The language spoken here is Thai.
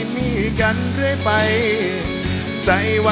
ขอบคุณมาก